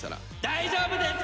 大丈夫です。